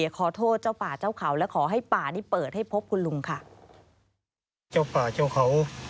ขอโทษเจ้าป่าเจ้าเข่าและขอให้ป่านี่เปิดให้พบคุณลุงค่ะ